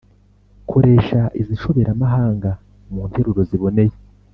Koresha izi nshoberamahanga mu nteruro ziboneye